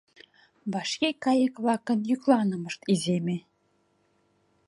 Вашке кайык-влакын йӱкланымышт иземе.